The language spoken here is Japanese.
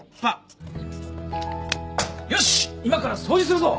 よし今から掃除するぞ。